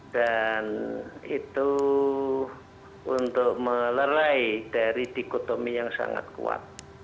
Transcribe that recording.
dan itu untuk melerai dari dikotomi yang sangat kuat